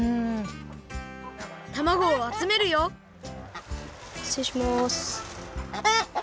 たまごをあつめるよしつれいします。